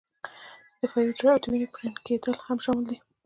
د دفاعي حجرو او د وینې پړن کېدل هم شامل دي.